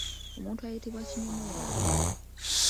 Omuntu ayitibwa kinyomo y'ani?